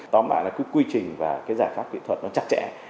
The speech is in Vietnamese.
tóm lại là cái quy trình và cái giải pháp kỹ thuật nó chắc chẽ